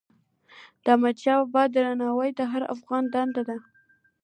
د احمدشاه بابا درناوی د هر افغان دنده ده.